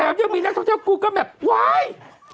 แถมยังมีนักท่องเที่ยวกูเกิ้ลแบบไว้